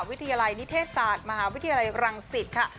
วิทยาลัยนิเทศศาสตร์มหาวิทยาลัยรังสิตค่ะ